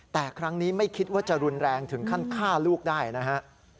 แต่ครั้งนี้ไม่คิดว่าจะรุนแรงถึงขั้นฆ่าลูกได้นะฮะ